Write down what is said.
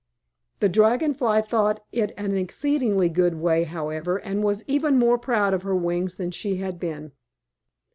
The Dragon Fly thought it an exceedingly good way, however, and was even more proud of her wings than she had been.